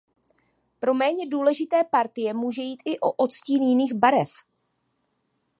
Pro méně důležité partie může jít i o odstíny jiných barev.